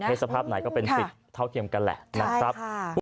แต่เพศภาพไหนก็เป็นสิทธิเท่าเกี่ยวกันแหละนะครับ